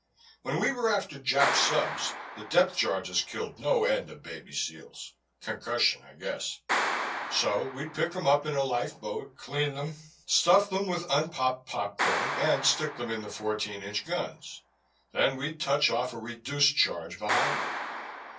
When we were after Jap subs, the depth charges killed no end of baby seals concussion, I guess. So we'd pick 'em up in a life boat, clean them, stuff them with unpopped popcorn, and stick them in the fourteen inch guns. Then we'd touch off a reduced charge behind 'em.